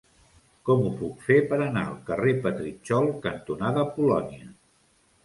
Com ho puc fer per anar al carrer Petritxol cantonada Polònia?